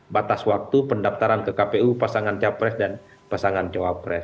batas waktu pendaftaran ke kpu pasangan capres dan pasangan cawapres